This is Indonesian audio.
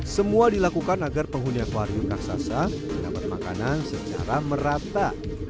semua dilakukan agar penghuni akwaryu kaksasa dapat makanan secara merata